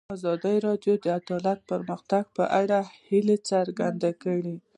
ازادي راډیو د عدالت د پرمختګ په اړه هیله څرګنده کړې.